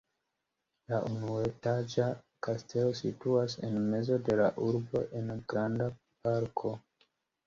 La unuetaĝa kastelo situas en mezo de la urbo en granda parko.